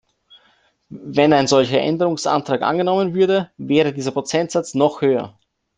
Wenn ein solcher Änderungsantrag angenommen würde, wäre dieser Prozentsatz noch höher.